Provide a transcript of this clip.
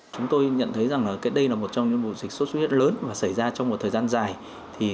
chúng tôi nhận thấy rằng đây là một trong những bộ dịch sốt suy nhất lớn và xảy ra trong một thời gian dài